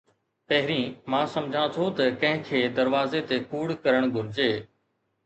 پهرين، مان سمجهان ٿو ته ڪنهن کي دروازي تي ڪوڙ ڪرڻ گهرجي